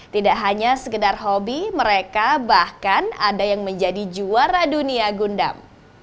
tidak hanya sekedar hobi mereka bahkan ada yang menjadi juara dunia gundam